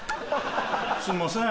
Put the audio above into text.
すんません。